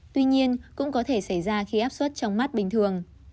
tuy nhiên cũng có thể xảy ra khi áp suất trong mắt bình thường